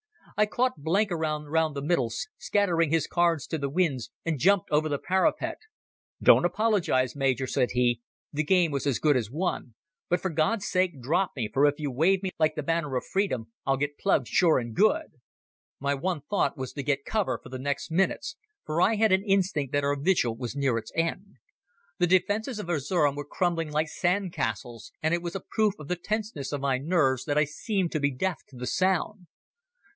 I caught Blenkiron round the middle, scattering his cards to the winds, and jumped over the parapet. "Don't apologize, Major," said he. "The game was as good as won. But for God's sake drop me, for if you wave me like the banner of freedom I'll get plugged sure and good." My one thought was to get cover for the next minutes, for I had an instinct that our vigil was near its end. The defences of Erzerum were crumbling like sand castles, and it was a proof of the tenseness of my nerves that I seemed to be deaf to the sound.